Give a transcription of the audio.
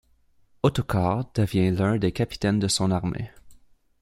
Ottokar devient l'un des capitaines de son armée.